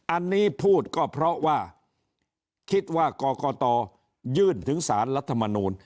อันนี้พูดก็เพราะว่าคิดว่ากรกตยื่นถึงสารรัฐมนูล